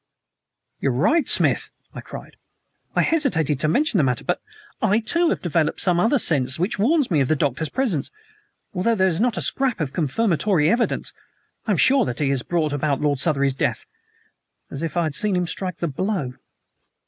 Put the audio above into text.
"You are right, Smith!" I cried. "I hesitated to mention the matter, but I, too, have developed some other sense which warns me of the Doctor's presence. Although there is not a scrap of confirmatory evidence, I am as sure that he has brought about Lord Southery's death as if I had seen him strike the blow."